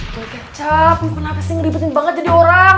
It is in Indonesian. kecap kenapa sih ngeributin banget jadi orang